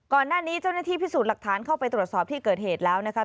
เจ้าหน้าที่พิสูจน์หลักฐานเข้าไปตรวจสอบที่เกิดเหตุแล้วนะคะ